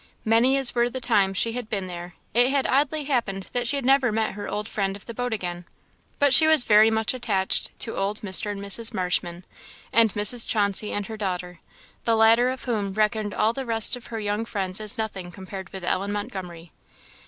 Many as were the times she had been there, it had oddly happened that she had never met her old friend of the boat again; but she was very much attached to old Mr. and Mrs. Marshman, and Mrs. Chauncey and her daughter; the latter of whom reckoned all the rest of her young friends as nothing compared with Ellen Montgomery.